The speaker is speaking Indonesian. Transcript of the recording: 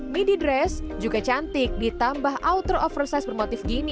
midi dress juga cantik ditambah outer oversize bermotif gini